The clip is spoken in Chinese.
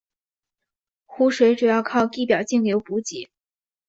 湖水主要靠地表径流补给。